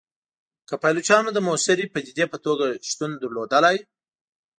که پایلوچانو د موثري پدیدې په توګه شتون درلودلای.